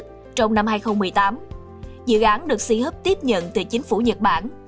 trong năm hai nghìn một mươi tám dự án được si hức tiếp nhận từ chính phủ nhật bản